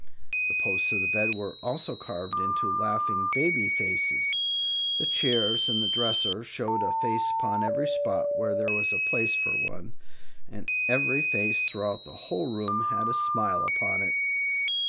The posts of the bed were also carved into laughing baby faces; the chairs and the dresser showed a face upon every spot where there was a place for one, and every face throughout the whole room had a smile upon it.